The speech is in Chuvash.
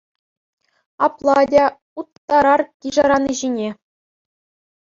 Апла атя, уттарар кишӗр ани ҫине.